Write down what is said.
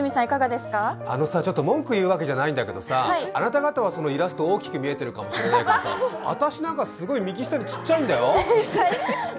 ちょっと文句言うわけじゃないんだけどさ、あなた方はイラスト、大きく見えているかもしれないけれど私なんかすごい右下にちっちゃいんだよ。